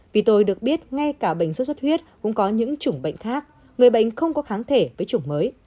vì tôi được biết ngay cả bệnh xuất xuất huyết cũng có những chủng bệnh khác người bệnh không có kháng thể với chủng mới